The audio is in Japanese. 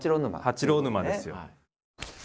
「八郎沼」ですよ。